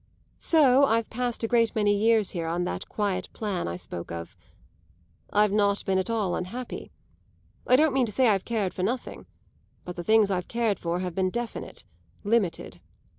So I've passed a great many years here on that quiet plan I spoke of. I've not been at all unhappy. I don't mean to say I've cared for nothing; but the things I've cared for have been definite limited.